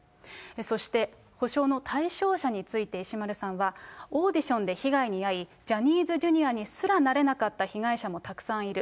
そして、補償の対象者について、石丸さんは、オーディションで被害に遭い、ジャニーズＪｒ．にすらなれなかった被害者もたくさんいる。